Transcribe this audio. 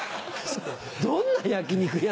どんな焼き肉屋？